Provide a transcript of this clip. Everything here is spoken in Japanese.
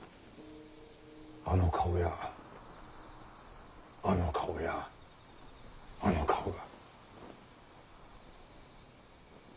あの顔やあの顔やあの顔が。